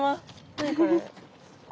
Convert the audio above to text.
何これ。